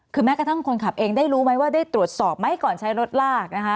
คือแม้กระทั่งคนขับเองได้รู้ไหมว่าได้ตรวจสอบไหมก่อนใช้รถลากนะคะ